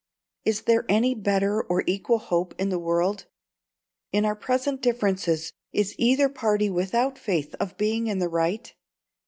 Is there any better or equal hope in the world? In our present differences, is either party without faith of being in the right?